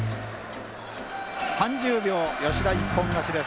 ３０秒吉田一本勝ちです。